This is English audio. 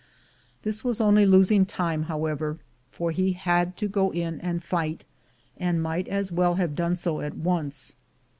This was only losing time, however, for he had to go in and fight, and might as well have done so at once.